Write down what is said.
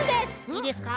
いいですか？